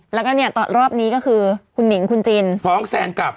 แล้วก็เนี่ยตอนรอบนี้ก็คือคุณหนิงคุณจินฟ้องแซนกลับ